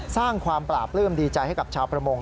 สร้างความปราบปลื้มดีใจให้กับชาวประมง